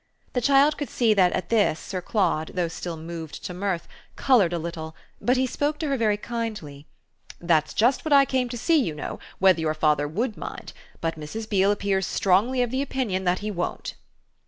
The child could see that at this Sir Claude, though still moved to mirth, coloured a little; but he spoke to her very kindly. "That's just what I came to see, you know whether your father WOULD mind. But Mrs. Beale appears strongly of the opinion that he won't."